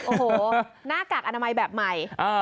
โอ้โหหน้ากากอนามัยแบบใหม่